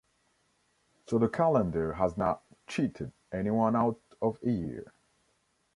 So the calendar has not 'cheated' anyone out of a year.